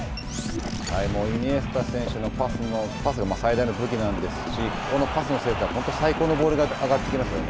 イニエスタ選手のパスが最大の武器なんですがこのパスの精度は最高のボールが上がってきましたよね。